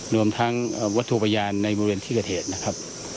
รวมทั้งวัตถุพยานในบริเวณที่เกิดเหตุนะครับ